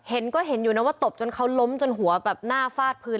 เห็นก็เห็นอยู่นะว่าตบจนเขาล้มจนหัวแบบหน้าฟาดพื้น